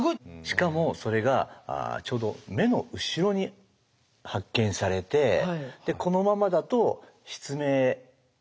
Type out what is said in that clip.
しかもそれがちょうど目の後ろに発見されてこのままだと失明のおそれもあるし。